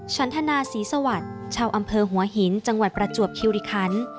ฉันทนาศรีสวัสดิ์ชาวอำเภอหัวหินจังหวัดประจวบคิวริคัน